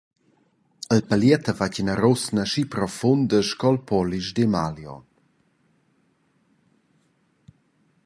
Il paliet ha fatg ina ruosna aschi profunda sco il polisch d’Emalio.